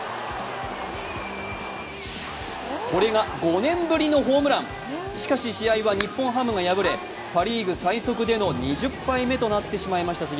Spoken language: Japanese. これが５年ぶりのホームラン、しかし、試合は日本ハムが敗れパ・リーグ最速での２０敗目となってしまいました。